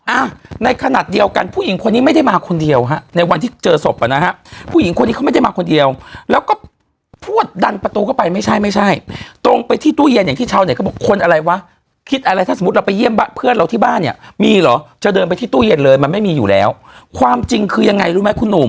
อ่ะในขณะเดียวกันผู้หญิงคนนี้ไม่ได้มาคนเดียวฮะในวันที่เจอศพอ่ะนะฮะผู้หญิงคนนี้เขาไม่ได้มาคนเดียวแล้วก็พูดดันประตูเข้าไปไม่ใช่ไม่ใช่ตรงไปที่ตู้เย็นอย่างที่ชาวเน็ตเขาบอกคนอะไรวะคิดอะไรถ้าสมมุติเราไปเยี่ยมเพื่อนเราที่บ้านเนี่ยมีเหรอจะเดินไปที่ตู้เย็นเลยมันไม่มีอยู่แล้วความจริงคือยังไงรู้ไหมคุณหนุ่ม